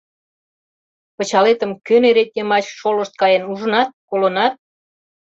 Пычалетым кӧ нерет йымач шолышт каен, ужынат, колынат?